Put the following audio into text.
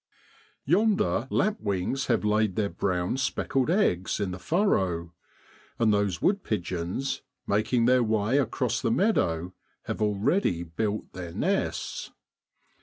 Yonder lapwings have laid their brown speckled eggs in the furrow ; and those wood pigeons, making their way across the meadow, have already built their nests.